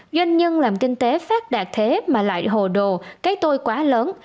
doanh nhân làm kinh tế phát đạt thế mà lại hồ đồ cái tôi quá lớn